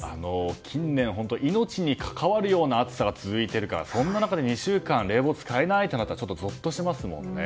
近年、本当に命に関わる暑さが続いているからそんな中で２週間冷房を使えないとなるとちょっとぞっとしますね。